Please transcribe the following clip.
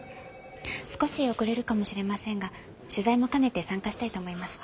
少し遅れるかもしれませんが取材も兼ねて参加したいと思います。